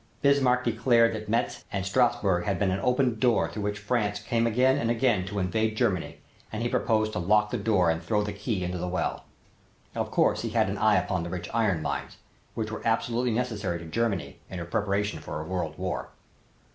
Bismarck declared that Metz and Strassburg had been an open door through which France came again and again to invade Germany and he proposed to lock the door and throw the key into the well. Of course he had an eye upon the rich iron mines which were absolutely necessary to Germany in her preparation for a world war.